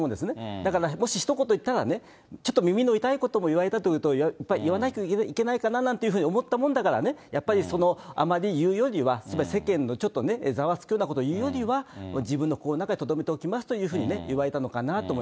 だから、もしひと言言ったら、ちょっと耳の痛いことも言われたと。言わなきゃいけないかななんて思ったもんだからね、やっぱりその、あまり言うよりは、世間のちょっとね、ざわつくようなことを言うよりは、自分の心の中にとどめておきますというふうにね、言われたのかな